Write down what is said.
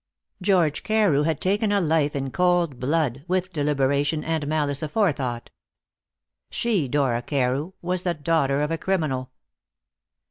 George Carew had taken a life in cold blood, with deliberation and malice aforethought. She, Dora Carew, was the daughter of a criminal.